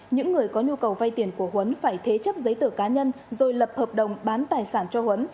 những người có nhu cầu vay tiền của huấn phải thế chấp giấy tờ cá nhân rồi lập hợp đồng bán tài sản cho huấn